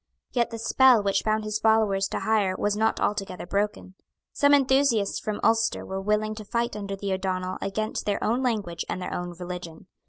Yet the spell which bound his followers to hire was not altogether broken. Some enthusiasts from Ulster were willing to fight under the O'Donnel against their own language and their own religion.